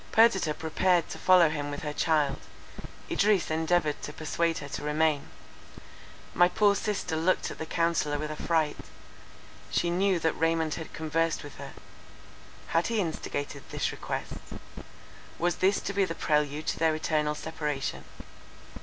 Perdita prepared to follow him with her child. Idris endeavoured to persuade her to remain. My poor sister looked at the counsellor with affright. She knew that Raymond had conversed with her; had he instigated this request?—was this to be the prelude to their eternal separation?